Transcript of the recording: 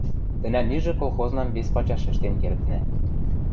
тӹнӓм ижӹ колхознам вес пачаш ӹштен кердна.